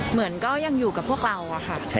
เหมือนก็ยังอยู่กับพวกเราอะค่ะ